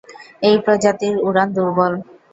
এই প্রজাতির উড়ান দূর্বল।